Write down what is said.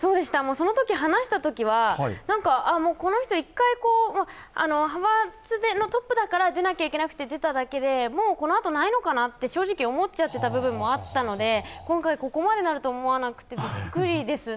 そのとき話したときは、この人１回派閥のトップだから出なきゃいけなくて出ただけでもうこのあとないのかなと正直思っちゃっていた部分もあったので今回、ここまでなると思わなくてびっくりです。